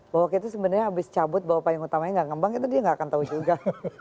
bahwa kita sebenarnya habis cabut bahwa payung utamanya nggak ngembang itu dia nggak akan tahu juga